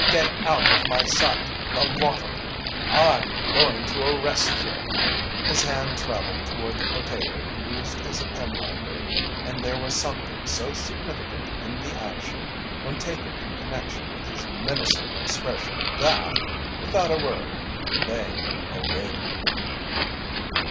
Get out of my sight the lot of you! I'M GOING TO A REST CURE!" His hand travelled toward the potato he used as a pen wiper and there was something so significant in the action when taken in connection with his menacing expression that, without a word, they obeyed him.